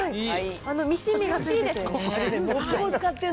ミシン目がついてて。